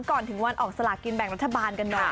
ก่อนถึงวันออกสลากินแบ่งรัฐบาลกันหน่อย